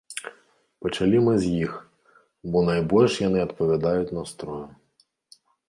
Пачалі мы з іх, бо найбольш яны адпавядаюць настрою.